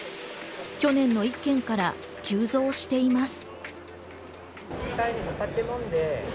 去年の１件から急増しています。